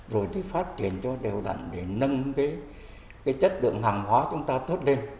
rồi thì phát triển cho đều đặn để nâng cái chất lượng hàng hóa chúng ta tốt lên